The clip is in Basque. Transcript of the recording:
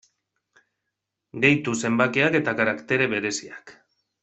Gehitu zenbakiak eta karaktere bereziak.